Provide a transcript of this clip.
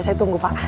saya tunggu pak